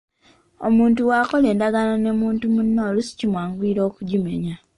Omuntu bw’akola endagaano ne muntu munne oluusi kimwanguyira okugimenya.